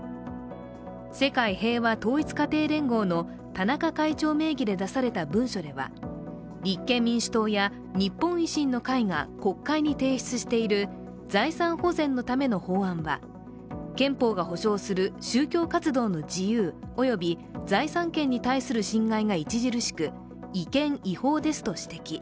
世界平和統一家庭連合の田中会長名義で出された文書では、立憲民主党や日本維新の会が国会に提出している財産保全のための法案は憲法が保障する宗教活動の自由及び財産権に対する侵害が著しく違憲違法ですと指摘。